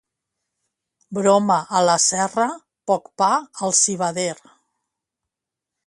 Broma a la serra, poc pa al civader.